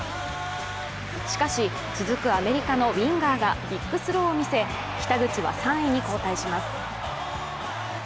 しかし、続くアメリカのウィンガーが、ビッグスローを見せ、北口は３位に後退します。